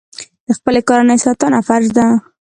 د خپلې کورنۍ ساتنه فرض ده.